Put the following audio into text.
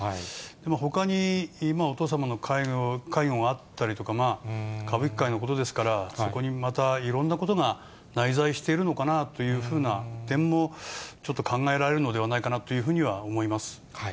ほかにお父様の介護があったりとか、歌舞伎界のことですから、そこにまたいろんなことが内在しているのかなというふうな点も、ちょっと考えられるのではないかなというふうには思います。